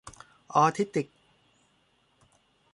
ออทิสติก